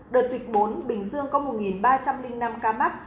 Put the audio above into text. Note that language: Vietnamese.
đợt dịch bốn bình dương có một ba trăm linh năm ca mắc